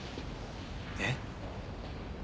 えっ？